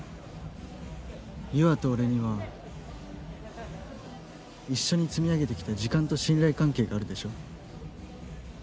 優愛と俺には一緒に積み上げてきた時間と信頼関係があるでしょ？